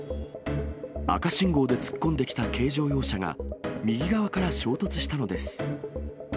赤信号で突っ込んできた軽乗用車が右側から衝突したのです。